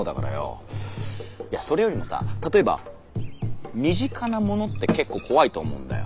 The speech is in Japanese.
いやそれよりもさ例えば身近なものってケッコー怖いと思うんだよ。